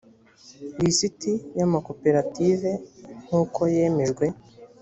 lisiti y’amakoperative nk’uko yemejwe